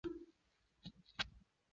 比里阿图。